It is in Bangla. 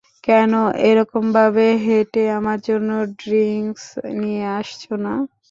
কেন এরকমভাবে হেঁটে আমার জন্য ড্রিংক্স নিয়ে আসছো না?